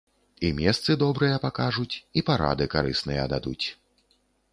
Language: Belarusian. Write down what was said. І месцы добрыя пакажуць, і парады карысныя дадуць.